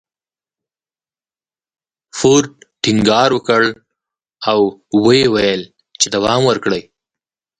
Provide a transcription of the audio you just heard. فورډ ټينګار وکړ او ويې ويل چې دوام ورکړئ.